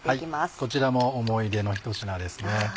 こちらも思い出の一品ですね。